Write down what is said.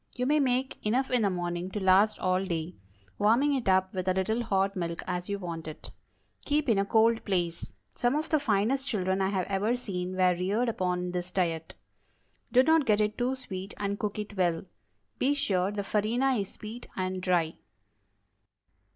You may make enough in the morning to last all day; warming it up with a little hot milk as you want it. Keep in a cold place. Some of the finest children I have ever seen were reared upon this diet. Do not get it too sweet, and cook it well. Be sure the farina is sweet and dry.